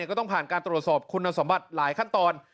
ก็ต้องผ่านการตรวจสอบคุณสมบัติหลายขั้นตอน